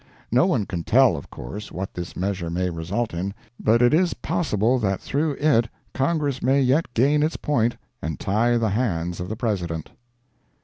No one can tell, of course, what this measure may result in, but it is possible that through it Congress may yet gain its point and tie the hands of the President.